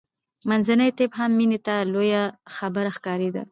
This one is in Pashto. منځنی طب هم مینې ته لویه خبره ښکارېده